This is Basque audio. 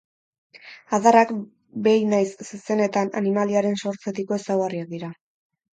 Adarrak, behi nahiz zezenetan, animaliaren sortzetiko ezaugarriak dira.